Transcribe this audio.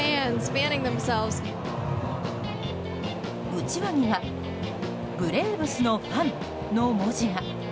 うちわには「ブレーブスのファン」の文字が。